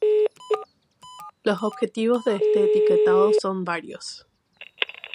Los objetivos de este etiquetado son varios.